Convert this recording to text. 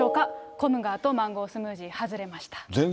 コムガーとマンゴースムージー、外れました。